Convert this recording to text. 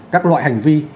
các loại hành vi